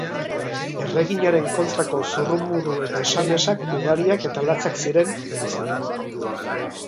Erreginaren kontrako zurrumurru eta esamesak ugariak eta latzak ziren, bereziki.